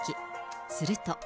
すると。